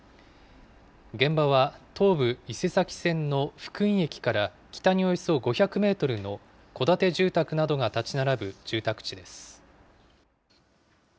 現場は、東武伊勢崎線の福居駅から北におよそ５００メートルの戸建て住宅などが建ち並ぶ住宅地です。